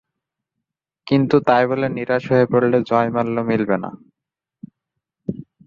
কিন্তু তাই বলে নিরাশ হয়ে পড়লে জয়মাল্য মিলবে না।